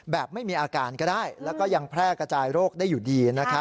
ไม่มีอาการก็ได้แล้วก็ยังแพร่กระจายโรคได้อยู่ดี